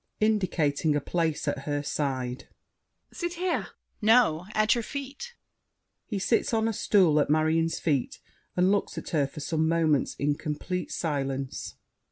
[Indicating a place at her side. Sit here! DIDIER. No! at your feet. [He sits on a stool at Marion's feet and looks at her for some moments in complete silence.